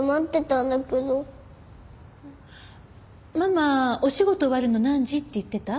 ママお仕事終わるの何時って言ってた？